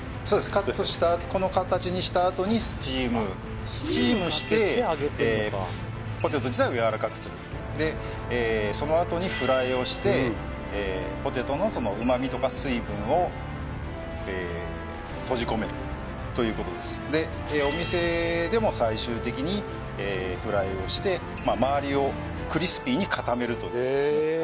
カットしたこの形にしたあとにスチームスチームしてポテト自体をやわらかくするでそのあとにフライをしてポテトの旨味とか水分を閉じ込めるということですでお店でも最終的にフライをしてまわりをクリスピーに固めるということですね